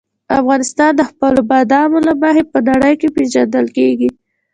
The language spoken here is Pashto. افغانستان د خپلو بادامو له مخې په نړۍ کې پېژندل کېږي.